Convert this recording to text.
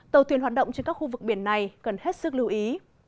tàu thuyền hoạt động trên các khu vực biển này cần hết sức lưu ý